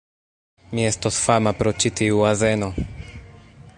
Mi estos fama pro ĉi tiu azeno!